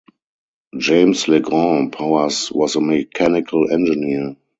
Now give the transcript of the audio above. James Legrand Powers was a mechanical engineer.